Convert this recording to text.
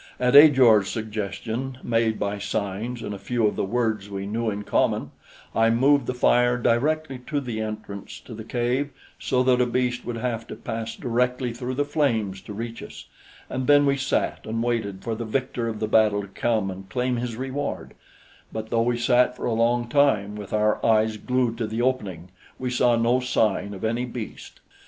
At Ajor's suggestion, made by signs and a few of the words we knew in common, I moved the fire directly to the entrance to the cave so that a beast would have to pass directly through the flames to reach us, and then we sat and waited for the victor of the battle to come and claim his reward; but though we sat for a long time with our eyes glued to the opening, we saw no sign of any beast.